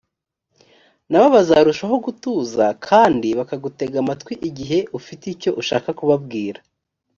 na bo bazarushaho gutuza kandi bakagutega amatwi igihe ufite icyo ushaka kubabwira